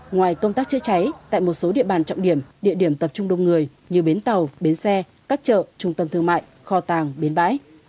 ngoài công tác chữa cháy tại một số địa bàn trọng điểm địa điểm tập trung đông người như bến tàu bến xe các chợ trung tâm thương mại kho tàng bến bãi